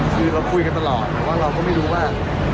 คือเราคุยกันตลอดว่าเราก็ไม่รู้ว่า